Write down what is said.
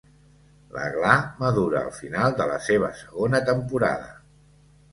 La gla madura al final de la seva segona temporada.